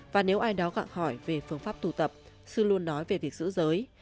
và nếu ai đó gặng hỏi về phương pháp tu tập sư luôn nói về việc giữ giới